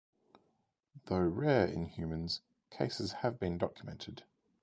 Though rare in humans, cases have been documented.